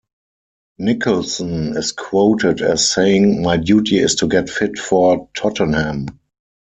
Nicholson is quoted as saying My duty is to get fit for Tottenham.